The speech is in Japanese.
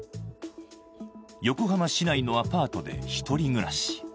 横浜市内のアパートで１人暮らし。